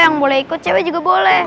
yang boleh ikut cewek juga boleh